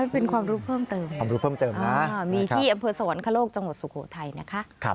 เป็นความรู้เพิ่มเติมความรู้เพิ่มเติมนะมีที่อำเภอสวรรคโลกจังหวัดสุโขทัยนะคะ